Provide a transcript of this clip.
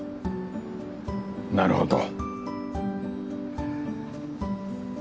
なるほど。